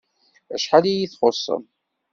Acḥal iyi-txuṣṣem!